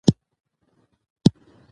پسرلی د افغانستان د ملي هویت نښه ده.